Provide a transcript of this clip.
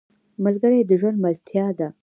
ملګری د ژوند ملتیا ده